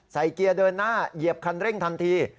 เกียร์เดินหน้าเหยียบคันเร่งทันที